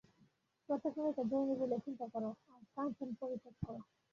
প্রত্যেক নারীকে জননী বলিয়া চিন্তা কর, আর কাঞ্চন পরিত্যাগ কর।